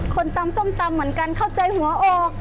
ตำส้มตำเหมือนกันเข้าใจหัวอก